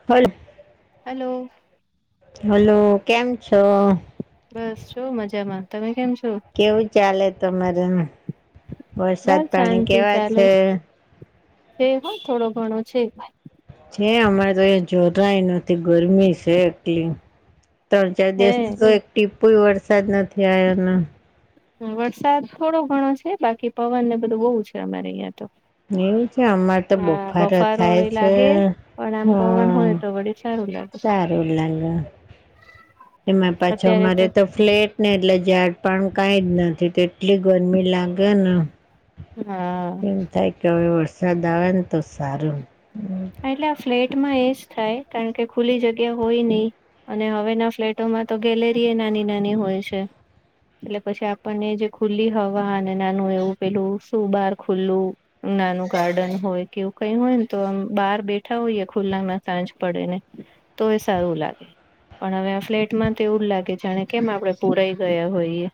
[inaudible] હાલો. Hello કેમ છો? બસ છો મજામાં તમે કેમ છો? કેવું ચાલે તમારે વરસાદ બસ પાણી શાંતિ કેવા ચાલે છે? છે, હ થોડો ઘણો છે. છે, અમારે તો એ જોરાય નથી ગરમી છે, એટલી ત્રણ ચાર હે દિવસ તો એક ટીપુ વરસાદ નથી આયાન વરસાદ થોડો ઘણો છે, બાકી પવનને બધું બોવ છે, અમારે અહિયાં તો નેવું છે, અમારે તો હા બફાર બફારો થાય એ છે, લાગે પણ હ આમ પવન હોય તો વળી સારું લાગે સારું લાગ એમાં પાછો મારે તો ફ્લે ને એટલે ઝાડ પણ કાઈ જ નથી તે એટલી ગરમી લાગે ને હ. એમ થાય કે હવે વરસાદ આવે ન તો સારુ એટલે આ ફ્લેટમાં એજ થાય કારણ કે ખુલ્લી જગ્યા હોય નહી. અને હવેના ફ્લેટોમાં તો ગેલેરી એ નાની-નાની હોય છે. એટલે પછી આપણને જે ખુલ્લી હવા અને નાનું એવું પેલું સુું બાર ખુલ્લું નાનું ગાર્ડન હોય કેવું કઈ હોય ને તો આમ બહાર બેઠા હોઈય ખુલ્લામાં સાંજ પડે ને તો એ સારું લાગે. પણ હવે આ ફ્લેટમાં તો એવું જ લાગે છે જાણે કેમ આપડે પુરાઈ ગયા હોઈએ.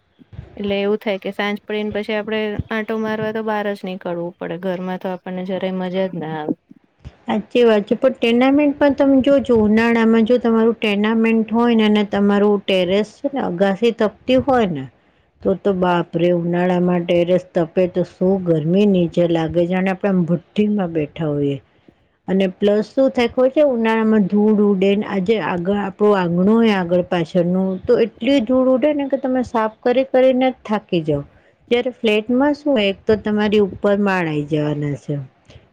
એટલે એવું થાય કે સાંજ પડીને પછી આપડે આંટો મારવા તો બહાર જ નહી કડવું. પડે ઘરમાં તો આપણને જરાય મજા જ ના આવે. સાચી વાત છે પણ ટેર્નામેન્ટમાં તમે જો જો ઉનાળામાં જો તમારું ટેર્નામેન્ટ હોય ને અને તમારું ટેરેસ છે ને અગાસી તપતી હોય ને તો તો બાપરે ઉનાળામાં ટેરેસ તપે તો શું ગરમી નીચે લાગે જાણે આપણેે આમ ભટ્ટ ભટ્ટીમાં બેઠા હોઈએ. અને પ્લસ શું થાય કોઈ કે ઉનાળામાં ધૂળ ઉડે આજે આગળ આપણુ આંગણુ હોય આગળ પાછળનું તો એટલી ધૂડ ઉડે ને કે તમે સાફ કરી કરીને થાકી જાવ. જયારે ફ્લેટમાં શું હોય એક તો તમારી ઉપર માળ આઇ જવાના છે.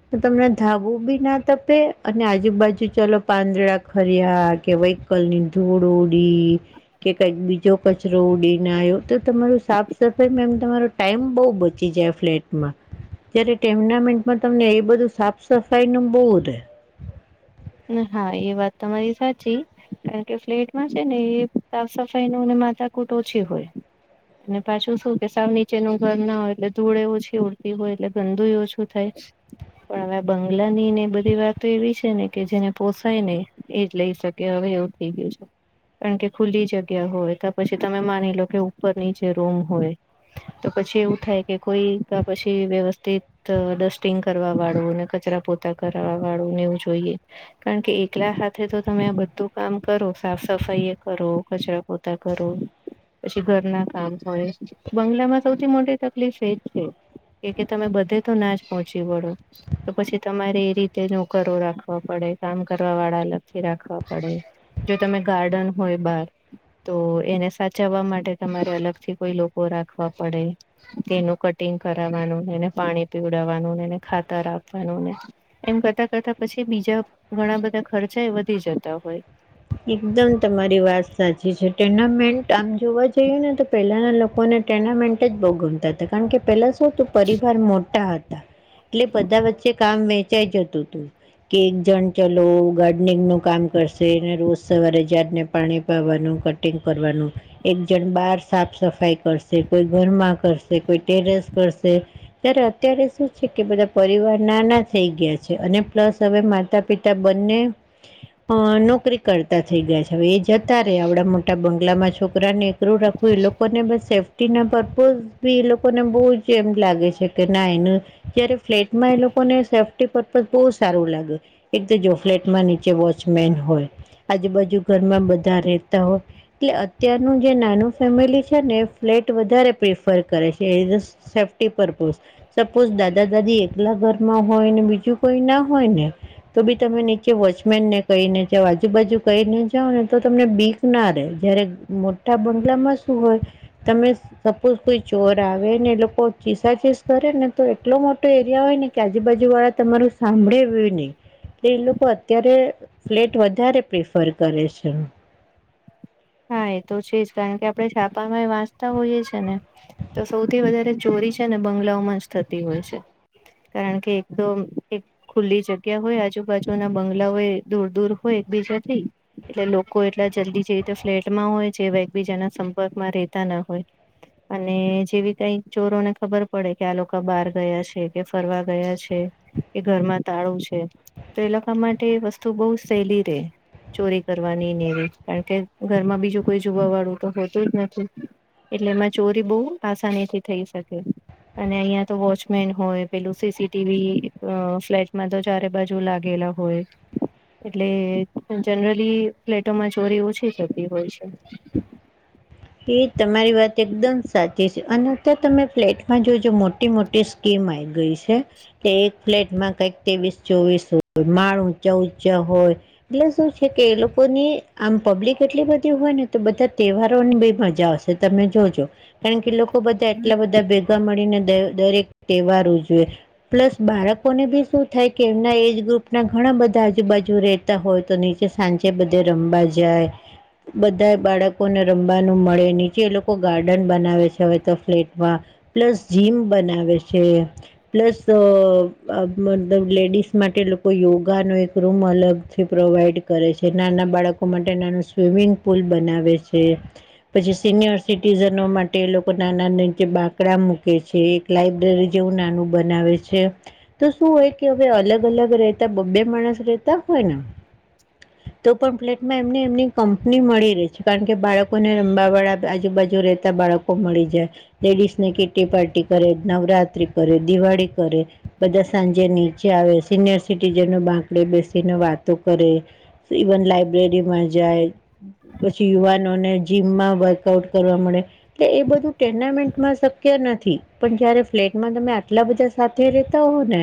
તો તમને ધાબુ બી ના તપે અને આજુબાજુ ચાલો પાંદડા ખર્યા કે વહી કલ નિંધોડો ડે કે કંઈ બી જો કચરો ઉડી ના આવ્યો તો તમાર સાફ સફાઈ એમ તમારો ટાઈમ બઉ બચી જાય ફ્લેટમાં. જયારે ટેમનામેન્ટમાં તમને એ બધું સાફ સફાઈ નું બહુ રહેે. ન હા એ વાત તમારી સાચી. કારણ કે ફ્લેટમાં છે ને એ સાફ સફાઈનું ને માથા કુટ ઓછી હોય. ને પાછું શું કે સાવ નીચેનું ઘર ના હોય એટલે ધૂળ એ ઓછી ઉડતી હોય એટલે ગંદુ ઓછું થાય. પણ હવે બંગ્લા ની ને એ બધી વાતો એવી છે ને કે જેને પોસાય ને એજ લઈ શકે હવે એવું થઈ ગયું છે. કારણ કે ખુલ્લી જગ્યા હોય તો પછી તમે માની લો કે ઉપર નીચે રૂમ હોય. તો પછી એવું થાય કે કોઈ કા પછી વ્યવસ્થિત તો ડસ્ટિંગ કરવા વાળું ને કચરા પોતા કરાવ વાળું ને એવું જોઈએ. કારણ કે એકલા હાથે તો તમે આ બધું કામ કરો સાફ સફાઈ એ કરો કચરા પોતા કરો. પછી ઘરના કામ હોય બંગલામાં સૌથી મોટી તકલીફ એજ છે. કે કે તમે બધે તો ના જ પહોંચી વળો તો પછી તમારે એ રીતે નોકરો રાખવા ખવા પડે કામ કરવા વાળા અલગથી રાખવા પડે જો તમે ગાર્ડન હોય બાર. તો એને સાચવવા માટે તમારે અલગથી કોઈ લોકો રાખવા પડે. તેનું કટિંગ કરાવવાનું, એને પાણી પીવડાવવાનું, ને એને ખાતર આપવાનું ને. એમ કરતા-કરતા પછી બીજા ઘણા બધા ખર્ચાયે વધી જતા હોય. એકદમ તમારી વાત સાચી છે ટુર્નામેન્ટ આમ જોવા જઈએ ને તો પહેલાના લોકોને ટેર્નામેન્ટ જ બઉ ગમતા તા કારણ કે પેલા શું તો પરિવાર મોટા હતા એટલે બધા વચ્ચે કામ વેચાઈ જતું તું. કે એક જણ ચલો ગાર્ડનિંગ નું કામ કરશે. ને રોજ સવારે જાડને પાણી પાવાનું, કટિંગ કરવાનું. એક જણ બાર સાફ સફાઈ કરશે, કોઈ ઘરમાં કરશે, કોઈ ટેરેસ કરશે. ત્યારે અત્યારે શું છે કે બધા પરિવાર નાના થઈ ગયા છે અને પ્લસ હવે માતા પિત તા બંને અ નો કરી કરતા થઈ ગયા છે હવે એ જતા રેય આવડા મોટા બંગલામાં છોકરાને એકરું રાખવું એ લોકોને બસ સેફ ટીના પર્પઝ બી એ લોકોને બોજ એમ લાગે છે કે ના એનું જયારે ફ્લેટમાં એ લોકોને સેફ્ટી પર્પઝ બઉ સારું લાગે એક તો જો ફ્લેટમાં નીચે વોચમેન હોય આજુબાજુ ઘરમાં બધા રહેતા હોય એટલે અત્યારનું જે નાનું ફેમિલી છે ને એ ફ્લેટ વધારે પ્રિફર કરે છે ઇજસ સેફ્ટી પર્પઝ સપોઝ દાદા દાદી એકલા ઘરમાં હોય ને બીજું કોઈ ના હોય ને તો બી તમે નીચે વોચમેન ને કઇને કેવ આજુબાજુ કઇને જાવ ને તો તમને બીક ના રે જયારે મોટા બંગલામાં શું હોય તમે સપોઝ કોઈ ચોર આવે ને એ લોકો ચીસાચીસ કરે ને તો એટલો મોટો એરિયા હોય ને કે આજુબાજુ વાળા તમારું સાંભળે બિ ની એ લોકો અત્યારે ફ્લેટ વધારે પ્રિફર કરે છે. હા એ તો છે જ કારણ કે આપડે છાપામાંયે વાંચતા હોઈએ છે ને તો સૌથી વધારે ચોરી છે ને બંગલાઓમાં જ થતી હોય છે. કારણ કે એક તો એક ખુલ્લી જગ્યા હોય આજુબાજુના બંગલાઓય દૂર દૂર હોય એકબીજાથી એટલે લોકો એટલા જલ્દી જે રીતે ફ્લેટમાં હોય જેવા એકબીજાના સંપર્કમાં રહેતા ના હોય અને જેવી કઈ ચોરોને ખબર પડે કે આ લોકો બાર ગયા છે કે ફરવા ગયા છે. એ ઘરમાં તાળું છે તો એ લોકો માટે વસ્તુ બઉ સેલી રેય ચોરી કરવાની નેવી કારણ કે ઘરમાં બીજું કોઈ જોવા વાળું તો હોતું જ નથી એટલે એમાં ચોરી બોઉ આસાનીથી થઈ શકે અને અહીયાં તો વોચમેન હોય પેલું સીસીટીવી અ ફ્લેટમાં તો ચારે બાજુ જુ લાગેલા હોય [inaudible] એટલે જનરલી ફ્લેટોમાં ચોરી ઓછી થતી હોય છે. એ તમારી વાત એકદમ સાચી છે અને અત્યારે તમે ફ્લેટમાં જોજો મોટી મોટી સ ગેમ આયી ગઈ છે. તે એક ફ્લેટમાં કઈક તેવીસ ચોવીસ હોય માણ ઊંચા ઊંચા હોય એટલે શું છે કે એ લોકોની આમ પબ્લિક એટલી બધી હોય ને તો બધા તહેવારોને બિ મજા આવશે તમે જોજો કારણ કે લોકો બધા એટલા બધા બધા મળીને દરેક તહેવાર ઉજવે પ્લસ બાળકોને બી શું થાય કે એમના એજ ગ્રુપ ના ઘણા બધા આજુબાજુ રે હોય તો નીચે સાંચે બધા રમવા જાય બધા બાળકોને રમવા મળે નીચે એ લોકો ગાર્ડન બનાવે છે હવે તો ફ્લેટમાં પ્લસ જીમ બનાવે છે. પ્લસ મતલબ લેડીસ માટે લોકો યોગા નો એક રૂમ અલગ થી પ્રોવાઈડ કરે છે નાના બાળકો માટે નાનું સ્વિમિંગ પુલ બનાવે છે. પછી સિનિયર સિટીઝનો માટે લોકો નાના નીચ બાકડા મૂકે છે. લાઈબ્રેરી જેવું નાનું બનાવે છે. તો શું હોય કે હવે અલગ અલગ રહેતા બબે માણસ રહેતા હોય ને તો પણ ફ્લેટમાં એમને એમની કંપની મળી રહી છે કારણ કે બાળકોને રામવતવાળા આજુબાજુ રહેતા બાળકો મળી જાય લેડીસ ને કેીટી પાર્ટી કરે નવરાત્રી કરે દિવાળી કરે બધા સાંજે નીચે આવે સિનિયર સિટીઝન બાકડે બેસીને વાતો કરે ઇવન લાઈબ્રેરી માં જાય પછી યુવાનોને જીમમાં વર્કઆઉટ કરવા મળે એટલે એ બધું ટટેર્નામેન્ટમાં શક્ય નથી પણ જયારે ફ્લેટમાં તમે આટલા બધા સાથે રેતા હો ને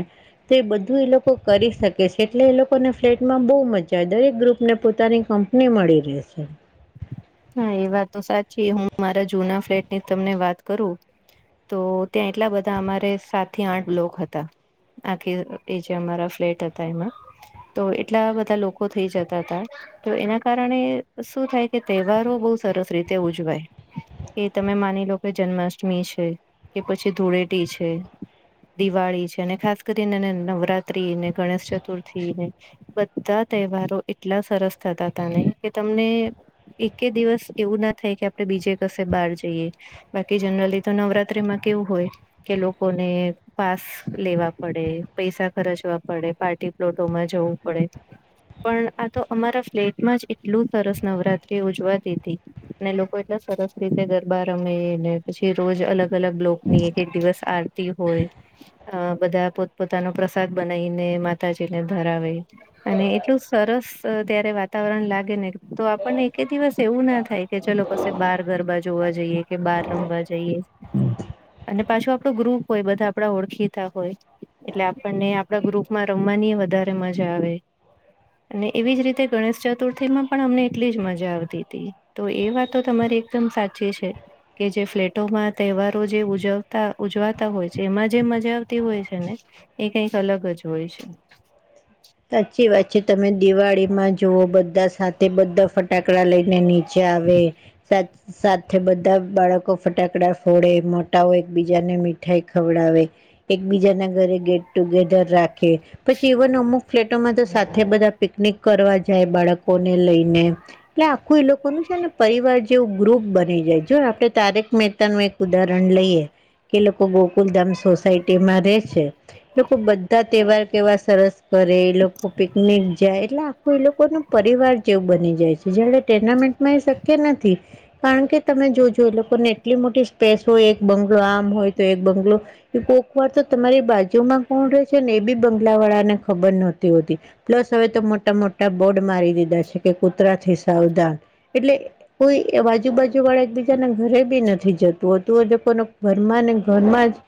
તે બધું એ લોકો કરી શકે છે, એટલે એ લોકોને ફ્લેટમાં બો મજા આવે દરેક ગ્રુપને પોતાની કં ને મળી રે છે. હા એ વાત તો સાચી હું મારા જુના ફ્લેટની તમને વાત કરું તો ત્યાં એટલા બધા અમારે સાત થી આઠ લોક હતા. આખી એ જે અમારા ફ્લેટ હતા એમાં તો એટલા બધા લોકો થઈ જતા તા તો એના કારણે શું થાય કે તહેવારો બો સરસ રીતે ઉજવાય એ તમે માની લો કે જન્માષ્ટમી છે. કે પછી ધૂળેટી છે. દિવાળી છે, અને ખાસ કરીને એ નવરાત્રીને ગણેશ ચતુર્થીને બધા તહેવારો એટલા સરસ થતા તા ને કે તમને એકે દિવસ એવું ના થાય કે આપણે બીજે કસે બાર જઈએ બાકી જનરલી તો નવરાત્રીમાં કેવું હોય કે લોકોને પાસ લેવા પડે પૈસા ખર્ચવા પડે પાર્ટી પ્લોટોમાં જવું પડે પણ આ તો અમારા ફ્લેટમાં જ એટલું સરસ નવરા ત્રી ઉજવાતીતી અને લોકો એટલા સરસ રીતે ગરબા રમેને પછી રોજ અલગ અલગ લોકની એક એક દિવસ આરતી હોય અ બધા પોત પોતાનો પ્રસાદ બનાવીને માતાજીને ધરાવે અને એટલું સરસ ત્યારે વાતાવરણ લાગે ને તો પણ એક દિવસ એવું ના થાય કે ચલો કશે બાર ગરબા જોવા જઈએ કે બહાર રમવા જઈએ હમ. અને પાછું આપણો ગ્રુપ હોય બધા આપડા ઓળખીતા હોય એટલે આપણને આપડા ગ્રુપમાં રમવાની વધારે મજા આવે અને એવી જ રીતે ગણેશ ચતુર્થીમાં પણ અમને એટલી જ મજા આવતી તી તો એ વાતો તમારી એકદમ સાચી છે. કે જે ફ્લેટોમાં તહેવારો જે ઉજવતા ઉજવાતા હોય છે, એમાં જે મજા આવતી હોય છે, ને એ કંઈક અલગ જ હોય છે. સાચી વાત છે, તમે દિવાળીમાં જુઓ બધા સાથે બધા ફટ ટાકડા લઈને નીચે આવે સા સાથે બધા બાળકો ફટાકડા ફોડે મોટાઓ એક બીજાને મીઠાઈ ખવડાવે એકબીજાના ઘરે ગેટ ટુગેધર રાખે પછી એવન અમુ ફ્લેટોમાં તો સાથે બધા પિકનિક કરવા જાય બાળકોને લઈને ને આખું એ લોકોનું છે, ને પરિવાર જેવું ગ્રુપ બની જાય જો આપડે તારેક મહેતાનું ઉદાહરણ લઈએ એ લોકો ગોકુલધામ સોસાયટીમાં રે છે, લોકો બધા તહેવાર કેવા સરસ કરે એ લોકો પિકનિક જાય એટલે આખું એ લોકોનું પરિવાર જેવું બની જાય છે, [unintelligible] મા શક્ય નથી. કારણ કે તમે જોજો એ લોકોને એટલી મોટી સ્પેસ હોય એક બંગલો આમ હોય તો એક બંગલો કોક વાર તો તમારી બાજુમાં કોણ રહે છે, ને એ બી બંગલાવાળાને ખબર નતી હોતી પ્લસ હવે તો મોટા મોટા બોર્ડ મારી દીધા છે, કે કૂતરાથી સાવધાન એટલે કોઈ એ બાજુબાજુ વાળા એકબીજાને ઘરે બી નથી જતું એ લોકોને ઘરમાં ને ઘરમાં જ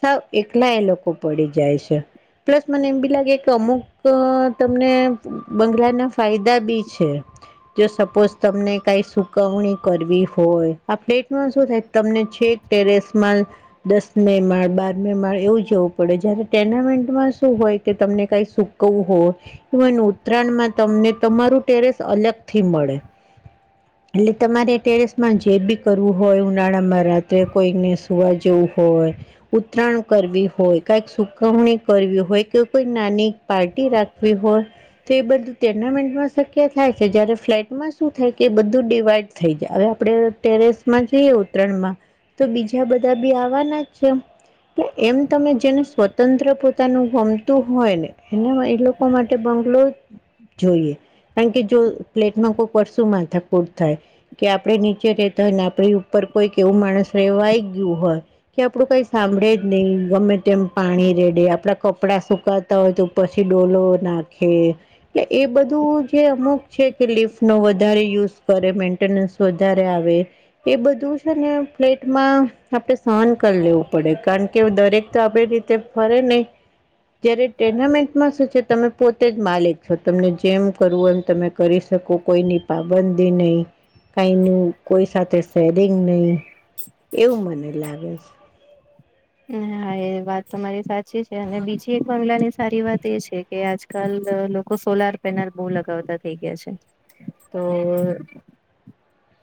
સાવ એકલા એ લોકો પડી જાય છે, પ્લસ મને એમ બીલા એક અમુક તમને બંગલાના ફાયદા બી છે. જો સપોઝ તમને કઈ ચુકવણી કરવી હોય આ ફ્લેટમાં શું થાય તમને છેક ટેરેસમાં દસ મે માળ બારમે માળ એવું જવું પડે જયારે ટોર્નામેન્ટમાં શું હોય કે તમને કઈ સુકવું હોય ઈવન ઉત્તરાયણમાં તમને તમારું ટેરેસ અલગથી મળે એટલે તમારે ટેરેસમાં જે બી કરવું હોય ઉનાળામાં રાત્રે કોઈને સુવા જેવું હોય ઉત્તરાયણ કરવી હોય કંઈક ચુકવણી કરવી હોય કે કોઈક નાની પાર્ટી રાખવી હોય તે એ બધું ટેર્નામેન્ટમાં શક્ય થાય છે જયારે ફ્લેટમાં શું થાય કે બધુ ડીવાઈડ થઈ જાય હવે આપણેે ટેરેસમાં જોઈએ ઉત્તરાયણમાં તો બીજા બધા બી આવવાના જ છે. તો એમ તમે જેને સ્વતંત્ર પોતાનું હોય ને એના એ લોકો માટે બંગ્લો જોઈએ કારણ કે જો પ્લેટમાં કો પરસું માથાકૂટ થાય કે આપડણે નીચે રેતા હોય ને આપડી ઉપર કોઈક એવું માણસ રહેેવાઈ ગયું હોય કે આપડું કઈ સાંભળે જ નહી ગમે તેમ પાણી રેડે આપડા કપડા સુ સુકાતા હોય તો પછી ડોલો નાખે કે એ બધું જે અમુક છે કે લિફ્ટનો વધારે યુઝ કરે મેન્ટેનન્સ વધારે આવે એ બધું છે ને ફ્લેટમાં આપડે સહન કરી લેવું પડે કારણ કે દરેક તો આપડી રીતે ફરે નહી જયારે ટુર્નામેન્ટમાં શું છે તમે પોતે જ માલિક છો તમને જેમ કરવું એમ તમે કરી શકો કોઈ પાબંધી નહી કઈ ન કોઈ સાથે સેરિંગ નહી એવું મને લાગે છે. હ હા એ વાત તમારી સાચી છે અને બીજી એક બગલાની સારી વાત એ છે કે આજકાલ લોકો સોલાર પેનલ બહુ લગાવતા થઈ ગયા છે. તો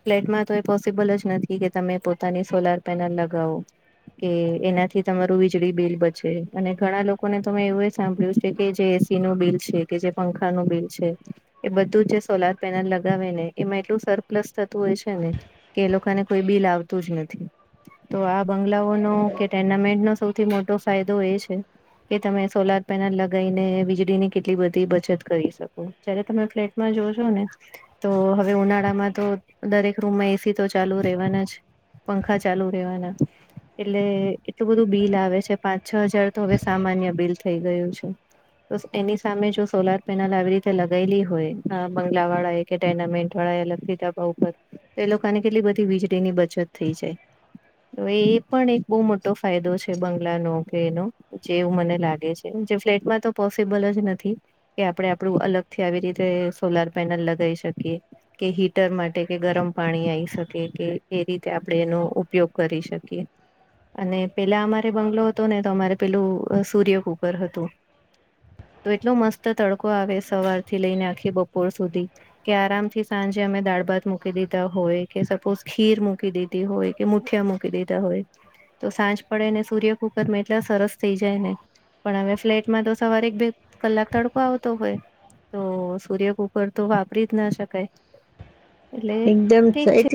ફ્લેટમાં તો એ પોસિબલ જ નથી કે તમે પોતાની સોલાર પેનલ લગાવો કે એનાથી તમારું વીજળી બિલ બચે અને ઘણા લોકોને તમે એવું એ સાંભળ્યું છે કે જે એસીનું બિલ છે. કે જે પંખાનું બિલ છે. એ બધું જે સોલાર પેનલ લગાવે ને એમાં એટલું સરપ્લસ થતું હોય છે ને કે એ લોકોને કોઈ બિલ આવતું જ નથી તો આ બંગલાઓનો ટુર્નામેન્ટનો સૌથી મોટો ફાયદો એ છે. કે તમે સોલાર પેનલ લગાવીને વીજળીની કેટલી બધી બચત કરી શકો જયારે તમે ફ્લેટમાં જોશો ને તો હવે ઉનાળામાં તો દરેક રૂમમાં એસી તો ચાલુ રહેવાના જ પંખા ચાલુ રહેેવાના એટલે એટલું બધું બિલ આવે છે પાંચ છ હજાર તો હવે સામાન્ય બિલ થઈ ગયું છે. તો એની સામે જો સોલાર પેનલ આવી રીતે લગાયેલી હોય બંગલા વાળા એક ટેનામેન્ટ વાળા અલગથી ટેરેસ ઉપર તો એ લોકોને કેટલી બધી વીજળી ની બચત થઈ જાય હવે એ પણ એક બહુ મોટી મોટો ફાયદો છે બંગલાનો કે એનો જેવું મને લાગે છે જે ફ્લેટમાં તો પોસિબલ જ નથી કે આપડણે આપડું અલગ થી આવી રીતે સોલાર પેનલ લગાવી શકીએ કે હીટર માટે કે ગરમ પાણી આઇ શકે કે એ રીતે આપડે એનો ઉપયોગ કરી શકીએ. અને પેલા અમારે બંગલો હતો ને તો અમારે પેલું સૂર્ય કુકર હતું. તો એટલો મસ્ત તડકો આવે સવાર થી લઈને આખી બપોર સુધી. કે આરામ થી સાંજે અમે દાળ ભાત મૂકી દીધા હોય કે સપોઝ ખીર મૂકી દી હોય કે મુઠ્યા મૂકી દીધા હોય. તો સાંજ પડે ને સૂર્ય કુકર માં એટલા સરસ થઇ જાય ને પણ હવે ફ્લેટમાં તો સવારે એક બે કલાક તડકો આવતો હોય તો સૂર્ય કુકર તો વાપરી જ ના શકાય એટલે એકદમ ઠીક સાઈ